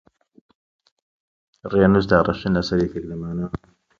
کورد میللەتێکی خۆخۆرە